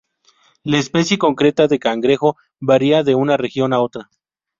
La especie concreta de cangrejo varía de una región a otra.